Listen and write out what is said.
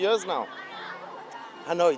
không lâu nữa khoảng hai năm rồi